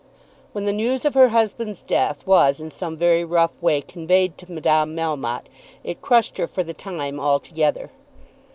When the news of her husband's death was in some very rough way conveyed to Madame Melmotte, it crushed her for the time altogether.